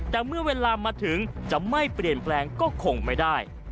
แต่เมื่อเวลามาถึงจะไม่เปลี่ยนแปลงก็คงไม่ได้